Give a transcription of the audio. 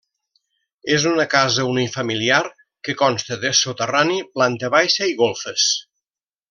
És una casa unifamiliar que consta de soterrani, planta baixa i golfes.